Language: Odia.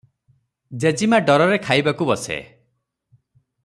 ଜେଜୀମା’ ଡରରେ ଖାଇବାକୁ ବସେ ।